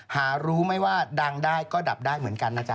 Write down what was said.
หารู้ไหมว่าดังได้ก็ดับได้เหมือนกันนะจ๊